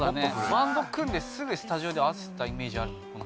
バンド組んですぐスタジオで合わせてたイメージあるもん。